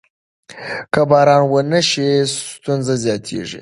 که باران ونه شي ستونزې زیاتېږي.